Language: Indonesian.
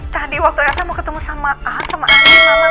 tadi waktu elsa mau ketemu sama al sama andin